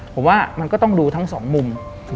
ผมว่ามันก็ต้องดูทั้งสองมุม